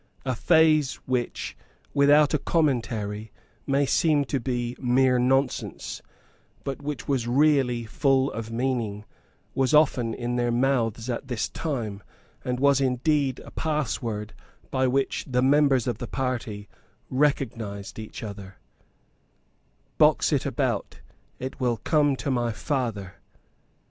A phrase which, without a commentary, may seem to be mere nonsense, but which was really full of meaning, was often in their mouths at this time, and was indeed a password by which the members of the party recognised each other: "Box it about; it will come to my father."